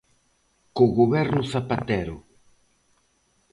Co Goberno Zapatero.